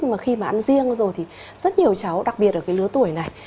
mà khi mà ăn riêng rồi thì rất nhiều cháu đặc biệt ở cái lứa tuổi này